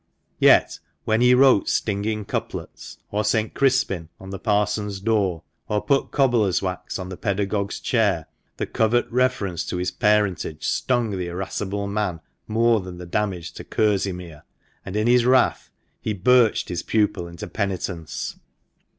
Yet, when he wrote stinging couplets or "St. Crispin" on the Parson's door, or put cobblers' wax on the pedagogue's chair, the covert reference to his parentage stung the irascible man more than the damage to kerseymere, and in his wrath he birched his pupil into penitence.